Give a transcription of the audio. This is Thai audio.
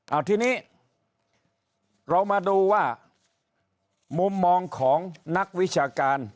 เอาทีนี้เรามาดูว่ามุมมองของนักวิชาการ